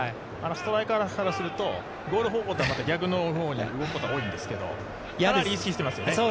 ストライカーからするとゴール方向とはまた逆の方に動くことが多いんですけど、かなり意識していますね。